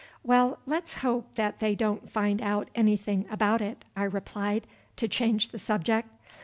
"Well, let's hope that they don't find out anything about it," I replied, to change the subject.